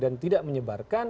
dan tidak menyebarkan